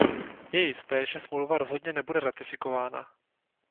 Je jisté, že smlouva rozhodně nebude ratifikována.